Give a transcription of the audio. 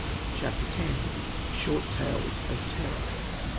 CHAPTER X SHORT TALES OF TERROR.